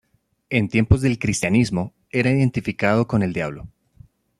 En tiempos del cristianismo, era identificado con el diablo.